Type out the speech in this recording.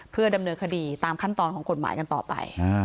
เพื่อดำเนินคดีตามขั้นตอนของกฎหมายกันต่อไป